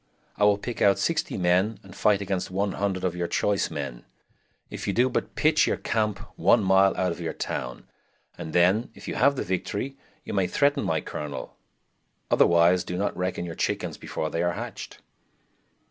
I will pick out 60 men and fight against 100 of your choise men, if you do but pitch your campe one mile out of your towne, and then, if you have the victory, you may threaten my colonel; otherwise do not reckon your chickens before they be hatched."